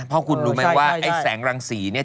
เพราะคุณรู้ไหมว่าไอ้แสงรังสีเนี่ย